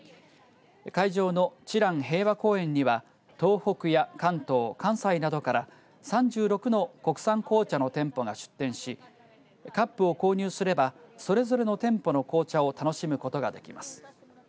会場の知覧平和公園には東北や関東、関西などから３６の国産紅茶の店舗が出店しカップを購入すればそれぞれの店舗の紅茶を楽しむことができます。